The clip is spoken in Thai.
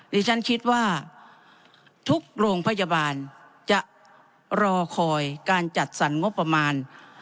ดิฉันคิดว่าทุกโรงพยาบาลจะรอคอยการจัดสรรงบประมาณ